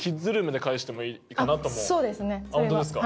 本当ですか。